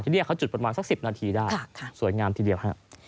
เนี่ยเขาจุดประมาณสัก๑๐นาทีได้สวยงามทีเดียวฮะ